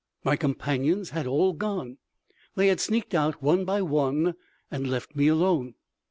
My companions had all gone. They had sneaked out one by one and left me alone.